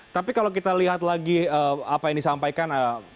tapi kalau kita lihat lagi apa yang disampaikan